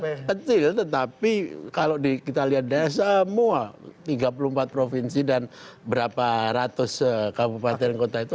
ya kecil tetapi kalau kita lihat dari semua tiga puluh empat provinsi dan berapa ratus kabupaten dan kota itu